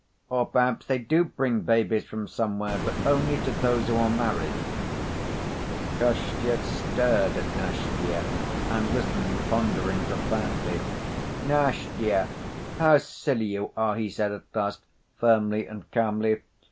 "Or perhaps they do bring babies from somewhere, but only to those who are married." Kostya stared at Nastya and listened, pondering profoundly. "Nastya, how silly you are!" he said at last, firmly and calmly.